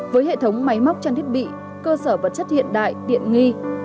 với hệ thống máy móc trang thiết bị cơ sở vật chất hiện đại tiện nghi